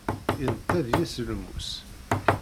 Yenta deg-s lmus.